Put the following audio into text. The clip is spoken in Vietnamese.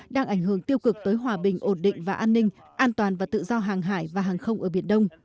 đang ảnh hưởng tiêu cực tới hòa bình ổn định và an ninh an toàn và tự do hàng hải và hàng không ở biển đông